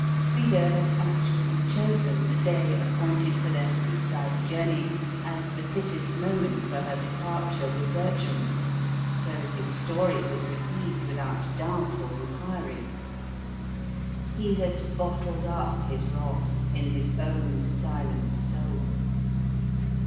Frida had actually chosen the day appointed for their seaside journey as the fittest moment for her departure with Bertram, so his story was received without doubt or inquiry. He had bottled up his wrath in his own silent soul.